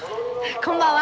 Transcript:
こんばんは。